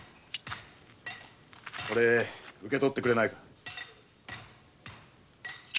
これ受け取ってくれないか。